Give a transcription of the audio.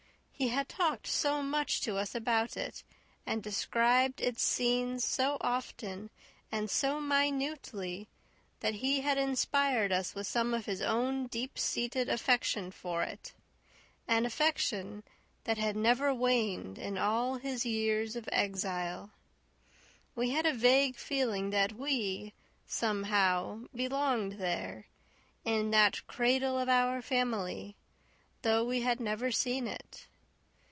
He had talked so much to us about it, and described its scenes so often and so minutely, that he had inspired us with some of his own deep seated affection for it an affection that had never waned in all his years of exile. We had a vague feeling that we, somehow, belonged there, in that cradle of our family, though we had never seen it.